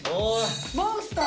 「モンスター」